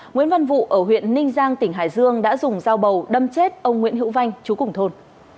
nguyễn văn vụ ở huyện ninh giang tỉnh hải dương đã dùng dao bầu đâm chết ông nguyễn hữu vanh chú cùng thôn